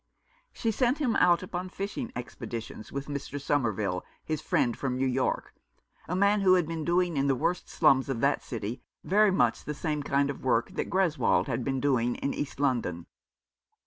She sent him out upon fishing expeditions with Mr. Somerville, his friend from New York — a man who had been doing in the worst slums of that city very much the same kind of work that Greswold had been doing in East London.